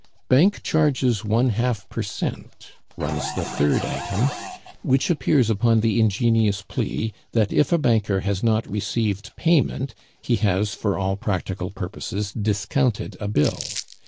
"Bank charges one half per cent," runs the third item, which appears upon the ingenious plea that if a banker has not received payment, he has for all practical purposes discounted a bill.